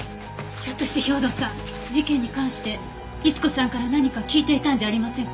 ひょっとして兵藤さん事件に関して伊津子さんから何か聞いていたんじゃありませんか？